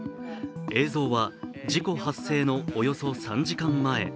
映像は事故発生のおよそ３時間前。